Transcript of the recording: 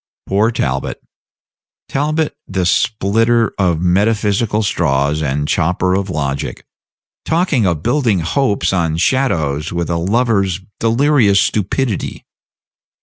Poor Talbot! Talbot, the splitter of metaphysical straws and chopper of logic, talking of building hopes on shadows with a lover's delirious stupidity.